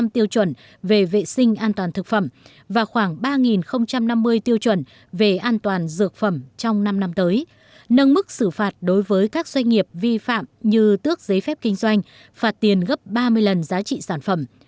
một trăm linh tiêu chuẩn về vệ sinh an toàn thực phẩm và khoảng ba năm mươi tiêu chuẩn về an toàn dược phẩm trong năm năm tới nâng mức xử phạt đối với các doanh nghiệp vi phạm như tước giấy phép kinh doanh phạt tiền gấp ba mươi lần giá trị sản phẩm